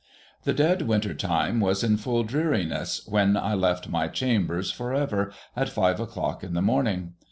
The dead winter time was in full dreariness when I left my chambers for ever, at five o'clock in the morning.